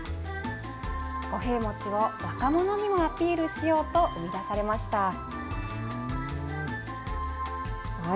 五平餅を若者にもアピールしようと、生み出されました。